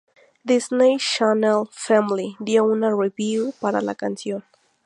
Disney Channel Family dio una review para la canción.